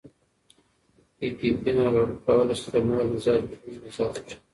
پي پي پي ناروغي کولی شي د مور مزاج بدلونونه زیات کړي.